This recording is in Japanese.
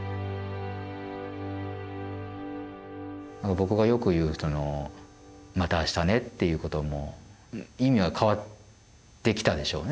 僕がよく言う「また明日ね」っていうことも意味は変わってきたでしょうね